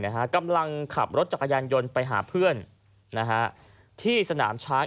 กำลังขับรถจักรยานยนต์ไปหาเพื่อนนะฮะที่สนามช้าง